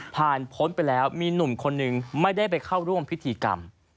พ้นไปแล้วมีหนุ่มคนนึงไม่ได้ไปเข้าร่วมพิธีกรรม